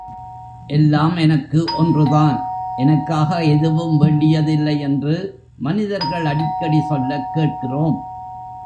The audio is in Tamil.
எல்லாம் எனக்கு ஒன்றுதான் எனக்காக எதுவும் வேண்டியதில்லை என்று மனிதர்கள் அடிக்கடி சொல்லக் கேட்கிறோம்.